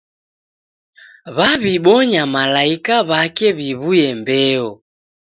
W'aw'ibonya malaika w'ake w'iw'uye mbeo.